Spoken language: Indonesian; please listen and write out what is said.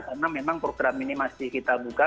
karena memang program ini masih kita buka